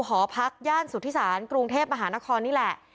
หอพักย่านสุธิศาลกรุงเทพมหานครนี่แหละ